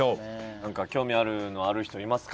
何か興味あるのある人いますか？